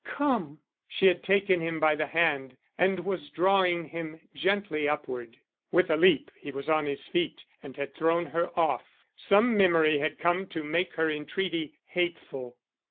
"Come!" she had taken him by the hand and was drawing him gently upward. With a leap he was on his feet and had thrown her off. Some memory had come to make her entreaty hateful.